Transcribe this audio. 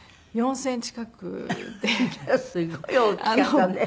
４０００近くで。